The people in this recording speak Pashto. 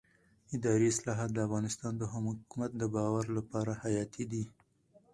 اداري اصلاحات د افغانستان د حکومت د باور لپاره حیاتي دي